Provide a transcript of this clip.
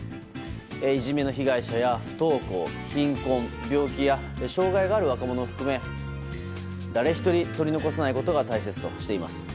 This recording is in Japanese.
いじめの被害者や不登校貧困、病気や障害がある若者を含め誰一人取り残さないことが大切としています。